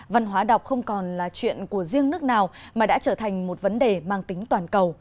văn hóa đọc không còn là chuyện của riêng nước nào mà đã trở thành một vấn đề mang tính toàn cầu